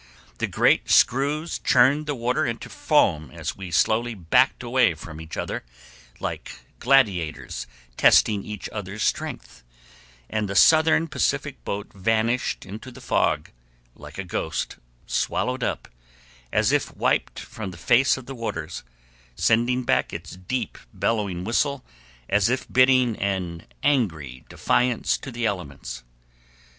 The great screws churned the water into foam as we slowly backed away from each other, like gladiators testing each other's strength, and the Southern Pacific boat vanished into the fog like a ghost, swallowed up, as if wiped from the face of the waters, sending back its deep bellowing whistle as if bidding an angry defiance to the elements.